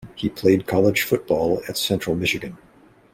He played college football at Central Michigan.